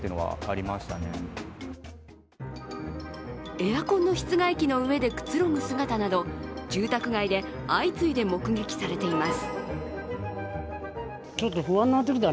エアコンの室外機の上でくつろぐ姿など、住宅街で相次いで目撃されています。